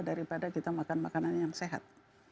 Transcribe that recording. daripada kita makan makanan yang sehat